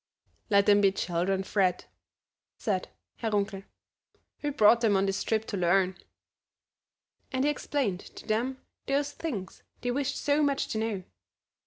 "Let them be children, Fred," said Herr Runkel. "We brought them on this trip to learn," and he explained to them those things they wished so much to know.